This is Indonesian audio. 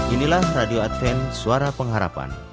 inilah radio adsen suara pengharapan